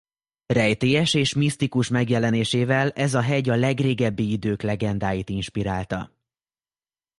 Rejtélyes és misztikus megjelenésével ez a hegy a legrégebbi idők legendáit inspirálta.